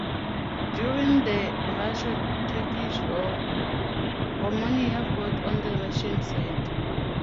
During the Russo-Turkish War, Romania fought on the Russian side.